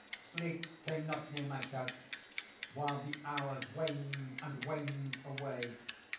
Sleep came not near my couch—while the hours waned and waned away.